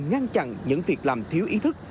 ngăn chặn những việc làm thiếu ý thức